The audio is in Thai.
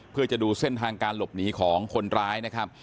เพื่อจะดูเส้นทางการหลบหนีของคนร้ายนะครับ